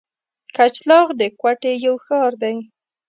کچلاغ د کوټي یو ښار دی.